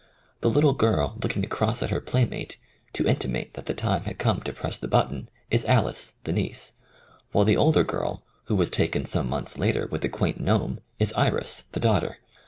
The little girl looking across at her playmate, to inti mate that the time had come to press the button, is Alice, the niece, while the older girl, who was taken some months later with the quaint gnome, is Iris, the daughter.